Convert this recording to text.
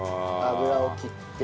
油を切って。